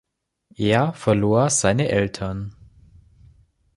Er verlor seine Eltern.